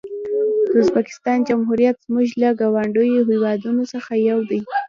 د ازبکستان جمهوریت زموږ له ګاونډیو هېوادونو څخه یو دی.